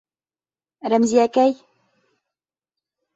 Рәмзиәкәй!